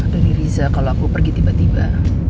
dari riza kalau aku pergi tiba tiba